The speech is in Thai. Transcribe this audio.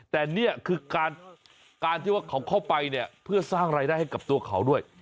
แต่นี่คือการที่ว่าเขาเข้าไปเนี่ยเพื่อสร้างรายได้ให้กับตัวเขาด้วย